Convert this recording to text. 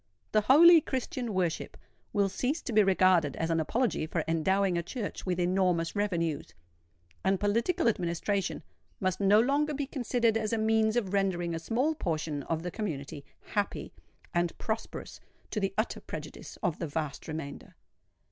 The holy Christian worship will cease to be regarded as an apology for endowing a Church with enormous revenues; and political administration must no longer be considered as a means of rendering a small portion of the community happy and prosperous to the utter prejudice of the vast remainder.